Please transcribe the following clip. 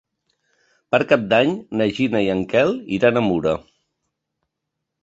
Per Cap d'Any na Gina i en Quel iran a Mura.